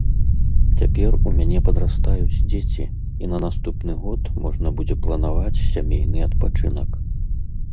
Цяпер у мяне падрастаюць дзеці, і на наступны год можна будзе планаваць сямейны адпачынак.